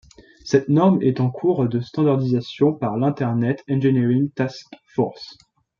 Cette norme est en cours de standardisation par l'Internet Engineering Task Force.